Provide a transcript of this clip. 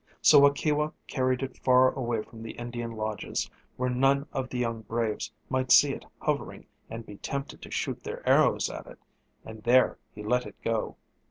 So Waukewa carried it far away from the Indian lodges, where none of the young braves might see it hovering over and be tempted to shoot their arrows at it, and there he let it go.